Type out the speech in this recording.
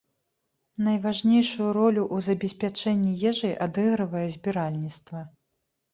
Найважнейшую ролю ў забеспячэнні ежай адыгрывае збіральніцтва.